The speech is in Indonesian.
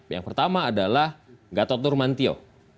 yang pertama adalah gatot nurmantio